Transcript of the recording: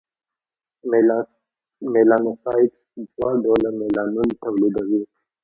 میلانوسایټس دوه ډوله میلانون تولیدوي: